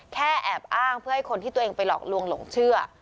แอบอ้างเพื่อให้คนที่ตัวเองไปหลอกลวงหลงเชื่อ